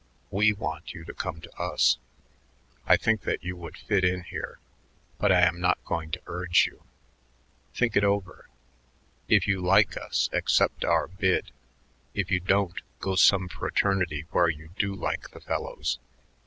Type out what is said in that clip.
We want you to come to us. I think that you would fit in here, but I am not going to urge you. Think us over. If you like us, accept our bid; if you don't, go some fraternity where you do like the fellows.